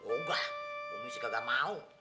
oh enggak umi sih kagak mau